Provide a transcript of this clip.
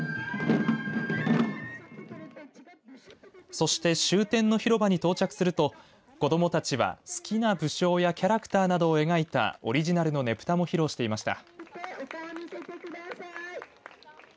そして終点の広場に到着すると子どもたちは好きな武将やキャラクターなどを描いたオリジナルのねぷたも披露していました。